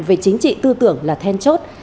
vì chính trị tư tưởng là then chốt